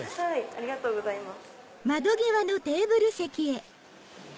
ありがとうございます。